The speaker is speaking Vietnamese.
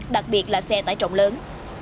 đặc biệt là xe tải trọng lớn